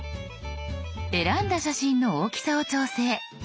選んだ写真の大きさを調整。